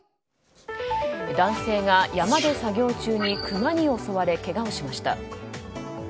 男性が山で作業中にクマに襲われけがをしました。